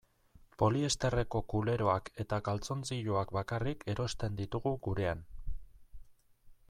Poliesterreko kuleroak eta galtzontziloak bakarrik erosten ditugu gurean.